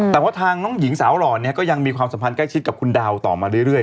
แต่ว่าทางน้องหญิงสาวหล่อเนี่ยก็ยังมีความสัมพันธ์ใกล้ชิดกับคุณดาวต่อมาเรื่อย